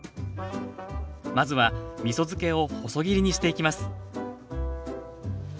まずはみそ漬けを細切りにしていきます